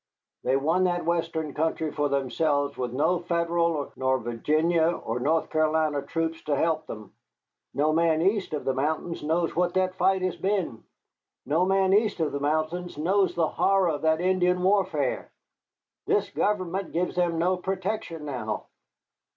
They won that western country for themselves with no Federal nor Virginia or North Carolina troops to help them. No man east of the mountains knows what that fight has been. No man east of the mountains knows the horror of that Indian warfare. This government gives them no protection now.